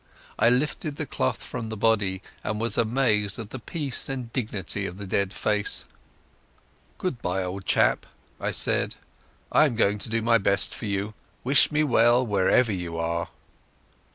I lifted the cloth from the body and was amazed at the peace and dignity of the dead face. "Goodbye, old chap," I said; "I am going to do my best for you. Wish me well, wherever you are."